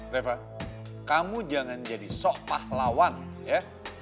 reva kamu jangan jadi sok pahlawan ya